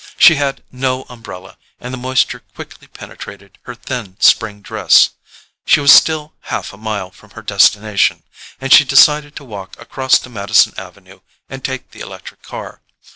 She had no umbrella and the moisture quickly penetrated her thin spring dress. She was still half a mile from her destination, and she decided to walk across to Madison Avenue and take the electric car.